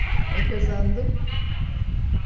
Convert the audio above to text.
Ne kazandım?